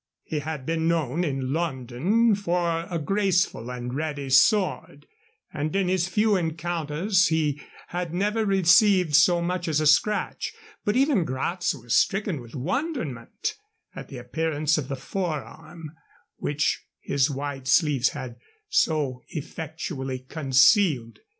He had been known in London for a graceful and ready sword, and in his few encounters he had never received so much as a scratch. But even Gratz was stricken with wonderment at the appearance of the forearm, which his wide sleeves had so effectually concealed.